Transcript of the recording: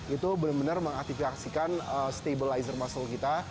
itu benar benar mengaktifasikan stabilizer muscle kita